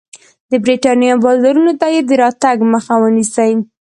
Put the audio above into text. د برېټانیا بازارونو ته یې د راتګ مخه ونیسي.